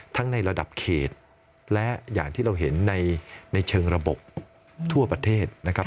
ในระดับเขตและอย่างที่เราเห็นในเชิงระบบทั่วประเทศนะครับ